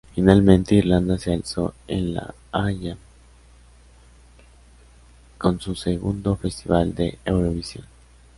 Finalmente Irlanda se alzó en La Haya con su segundo Festival de Eurovisión.